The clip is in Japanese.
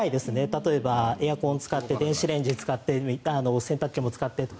例えば、エアコンを使って電子レンジ使って洗濯機も使ってと。